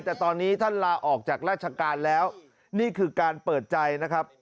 แต่ตอนนี้ท่านลาออกจากราชการแล้วนี่คือการเปิดใจนะครับ